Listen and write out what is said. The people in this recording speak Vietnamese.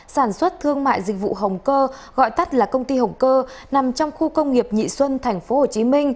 sản xuất thương mại dịch vụ hồng cơ gọi tắt là công ty hồng cơ nằm trong khu công nghiệp nhị xuân tp hcm